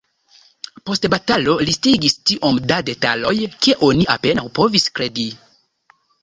Post batalo listigis tiom da detaloj, ke oni apenaŭ povis kredi.